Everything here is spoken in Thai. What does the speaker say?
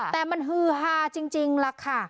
แต่มันฮือฮาจริงล่ะค่ะ